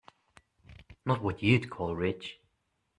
Not what you'd call rich.